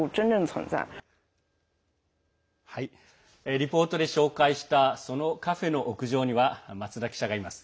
リポートで紹介したそのカフェの屋上には松田記者がいます。